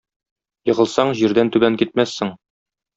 Егылсаң җирдән түбән китмәссең.